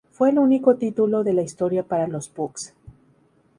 Fue el único título de la historia para los Bucks.